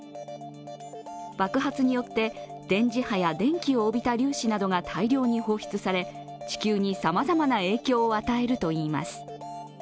爆発によって、電磁波や電気を帯びた粒子などが大量に放出され地球にさまざまな影響を与えるといいます。